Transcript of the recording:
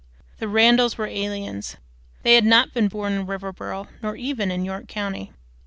The Randalls were aliens. They had not been born in Riverboro nor even in York County.